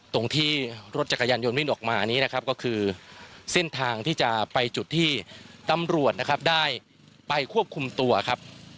ตรงที่รถจักรยานยนต์วิ่งออกมานี้นะครับก็คือเส้นทางที่จะไปจุดที่ตำรวจนะครับได้ไปควบคุมตัวครับ